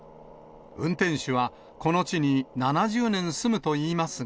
運転手はこの地に７０年住むといいますが。